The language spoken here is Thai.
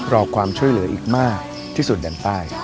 รอความช่วยเหลืออีกมากที่สุดแดนใต้